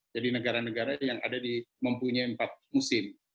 jadi negara negara yang mempunyai empat musim